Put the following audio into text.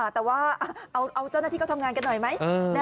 แต่ว่าเอาเจ้าหน้าที่เขาทำงานกันหน่อยไหม